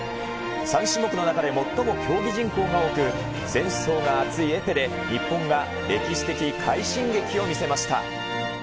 ３種目の中で最も競技人口が多く、選手層が厚いエペで、日本が歴史的快進撃を見せました。